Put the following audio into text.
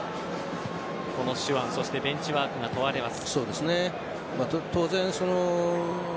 この手腕ベンチワークが問われます。